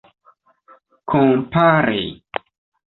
kompare